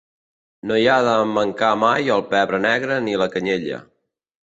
No hi ha de mancar mai el pebre negre ni la canyella.